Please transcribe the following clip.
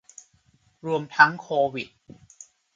รวมทั้งโควิด